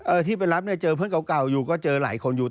ที่ไปรับเนี่ยเจอเพื่อนเก่าเก่าอยู่ก็เจอหลายคนอยู่